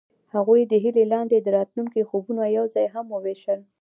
هغوی د هیلې لاندې د راتلونکي خوبونه یوځای هم وویشل.